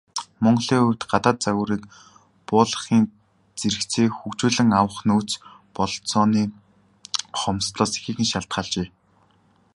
Монголын хувьд, гадаад загварыг буулгахын зэрэгцээ хөгжүүлэн авах нөөц бололцооны хомсдолоос ихээхэн шалтгаалжээ.